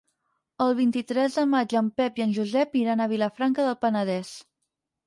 El vint-i-tres de maig en Pep i en Josep iran a Vilafranca del Penedès.